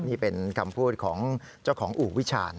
นี่เป็นคำพูดของเจ้าของอู่วิชาญ